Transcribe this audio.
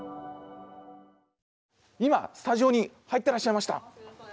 今スタジオに入ってらっしゃいました。